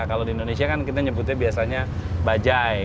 kalau di indonesia kan kita nyebutnya biasanya bajai